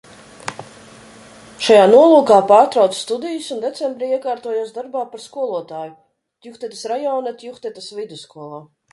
Šajā nolūkā pārtraucu studijas un decembrī iekārtojos darbā par skolotāju Tjuhtetas rajona Tjuhtetas vidusskolā.